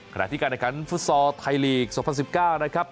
ขณะที่การเอกรันฟุตซอร์ไทยลีกสองพันสิบเก้านะครับ